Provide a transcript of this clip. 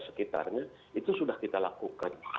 sekitarnya itu sudah kita lakukan